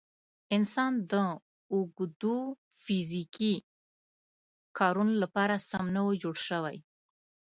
انسان د اوږدو فیزیکي کارونو لپاره سم نه و جوړ شوی.